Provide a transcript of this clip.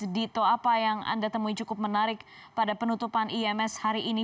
di toa apa yang anda temui cukup menarik pada penutupan iems hari ini